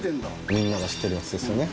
みんなが知ってるやつですよね